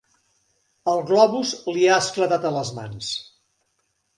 El globus li ha esclatat a les mans.